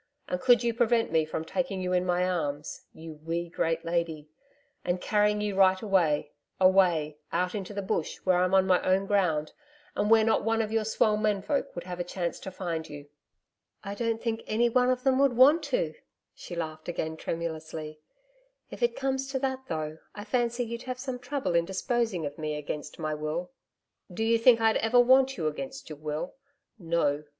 And could you prevent me from taking you in my arms you wee great lady and carrying you right away away, out into the Bush where I'm on my own ground and where not one of your swell men folk would have a chance to find you.' 'I don't think any one of them would want to.' she laughed again tremulously. 'If it comes to that though, I fancy you'd have some trouble in disposing of me against my will.' 'Do you think I'd ever want you against your will! No.